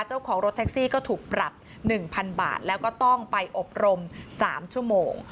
เจ้าของรถแท็กซี่ก็ถูกปรับ๑๐๐๐บาทแล้วก็ต้องไปอบรม๓ชั่วโมง